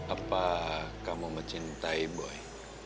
apa kamu mencintai boy